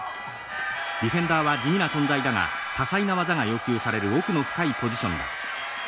ディフェンダーは地味な存在だが多彩な技が要求される奥の深いポジションだ。